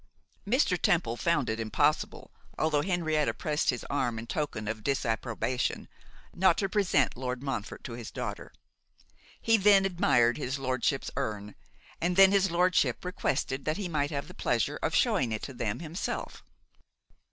Mr. Temple found it impossible, although Henrietta pressed his arm in token of disapprobation, not to present Lord Montfort to his daughter. He then admired his lordship's urn, and then his lordship requested that he might have the pleasure of showing it to them himself.